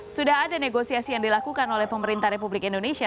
sudah ada negosiasi yang dilakukan oleh pemerintah republik indonesia